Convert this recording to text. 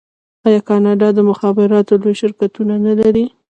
آیا کاناډا د مخابراتو لوی شرکتونه نلري؟